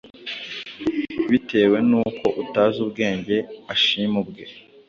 bitewe n’uko utazi ubwenge ashima ubwe,